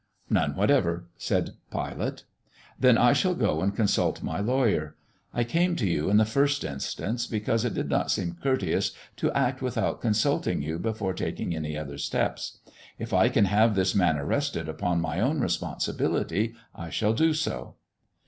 "None whatever," said Pilate. "Then I shall go and consult my lawyer. I came to you, in the first instance, because it did not seem courteous to act without consulting you before taking any other steps. If I can have this man arrested upon my own responsibility I shall do so."